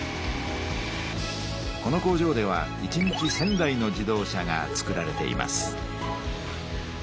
この工場では１日１，０００台の自動車がつくられています。